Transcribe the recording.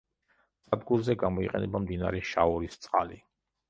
სადგურზე გამოიყენება მდინარე შაორის წყალი.